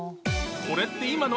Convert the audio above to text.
これって今の？